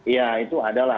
ya itu adalah